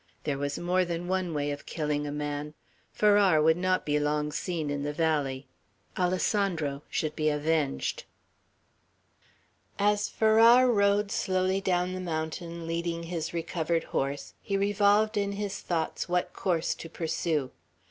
There was more than one way of killing a man. Farrar would not be long seen in the valley. Alessandro should be avenged. As Farrar rode slowly down the mountain, leading his recovered horse, he revolved in his thoughts what course to pursue.